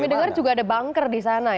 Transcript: kami dengar juga ada banker di sana ya